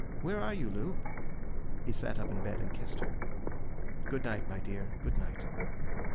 Where are you, Loo?' He sat up in bed and kissed her. 'Good night, my dear, good night.